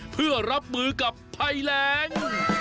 เพื่อรับมือกับภัยแรง